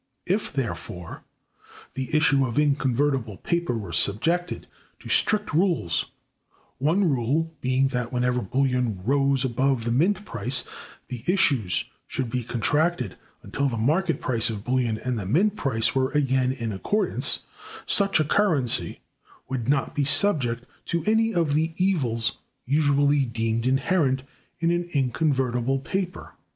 If, therefore, the issue of inconvertible paper were subjected to strict rules, one rule being that, whenever bullion rose above the mint price, the issues should be contracted until the market price of bullion and the mint price were again in accordance, such a currency would not be subject to any of the evils usually deemed inherent in an inconvertible paper.